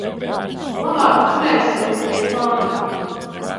Labāk turēsimies pie plāna.